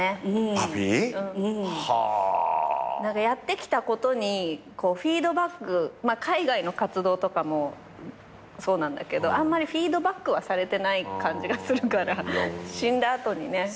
やってきたことにフィードバック海外の活動とかもそうなんだけどあんまりフィードバックはされてない感じがするから死んだ後にね。